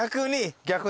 逆に？